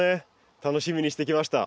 楽しみにしてきました。